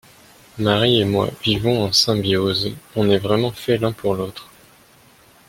Marie et moi vivons en symbiose, on est vraiment fait l'un pour l'autre.